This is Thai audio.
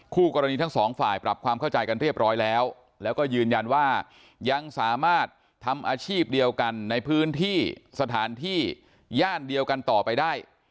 คู่กรณีทั้งสองฝ่ายปรับความเข้าใจกันเรียบร้อยแล้วแล้วก็ยืนยันว่ายังสามารถทำอาชีพเดียวกันในพื้นที่สถานที่ย่านเดียวกันต่อไปได้